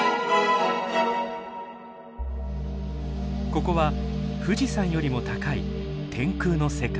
ここは富士山よりも高い天空の世界。